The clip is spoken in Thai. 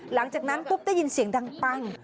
หลังจากนั้นปุ๊บได้ยินเสียงดังปั้ง